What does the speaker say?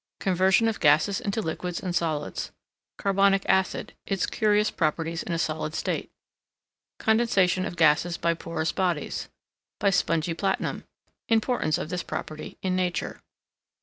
Conversion of Gases into Liquids and Solids. Carbonic Acid its curious properties in a solid state. Condensation of Gases by porous bodies. By Spongy Platinum. Importance of this property in Nature.